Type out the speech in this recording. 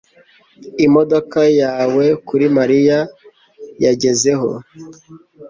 Imodoka yawe, kuri Mariya, yangezeho